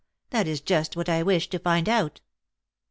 That is just what I wish to find out."